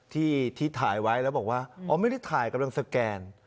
ที่ถ่ายไว้แล้วบอกว่าอ๋อไม่ได้ถ่ายกำลังสแกน